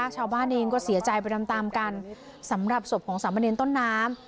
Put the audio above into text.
ชาวบ้านเองก็เสียใจไปตามตามกันสำหรับศพของสามเณรต้นน้ำ